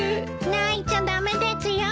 泣いちゃ駄目ですよ。